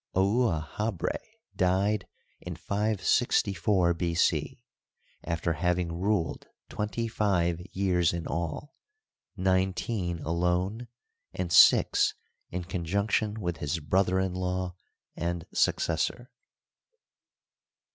Ouahabra died in 564 B. C, after having ruled twenty five years in all, nine teen alone and six in conjunction with his brother in law and successor.